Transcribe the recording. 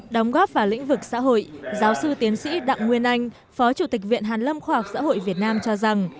đóng góp vào lĩnh vực xã hội giáo sư tiến sĩ đặng nguyên anh phó chủ tịch viện hàn lâm khoa học xã hội việt nam cho rằng